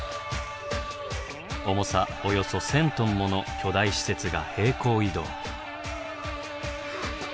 重さおよそ１，０００トンもの巨大施設が平行移動。